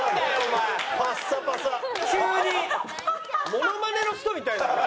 モノマネの人みたいだもん。